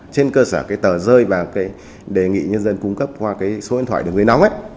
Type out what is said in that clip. trên cơ sở tờ rơi và đề nghị nhân dân cung cấp qua số điện thoại đường dưới nóng